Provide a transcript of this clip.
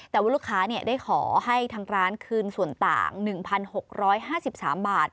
แต่ว่าลูกค้าได้ขอให้ทางร้านคืนส่วนต่าง๑๖๕๓บาท